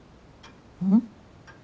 うん？